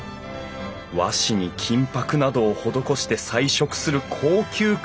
和紙に金ぱくなどを施して彩色する高級壁紙。